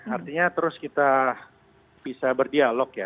artinya terus kita bisa berdialog ya